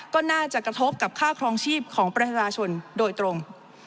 ก็น่าจะกระทบกับค่าครองชีพของประชาชนโดยตรง